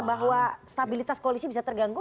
bahwa stabilitas koalisi bisa terganggu